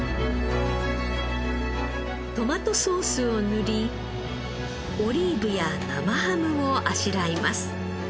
トマトソースを塗りオリーブや生ハムをあしらいます。